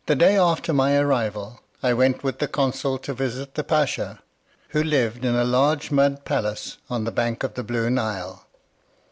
The day after my arrival I went with the consul to visit the pacha, who lived in a large mud palace on the bank of the Blue Nile.